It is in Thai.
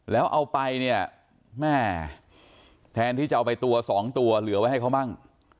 แล้วเอาไปเนี่ยแม่แทนที่จะเอาไปตัวสองตัวเหลือไว้ให้เขามั่ง